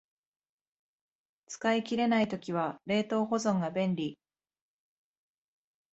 使い切れない時は冷凍保存が便利